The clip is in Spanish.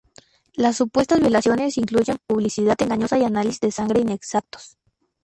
Las supuestas violaciones incluyen publicidad engañosa y análisis de sangre inexactos.